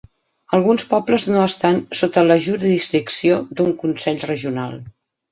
Alguns pobles no estan sota la jurisdicció d'un consell regional.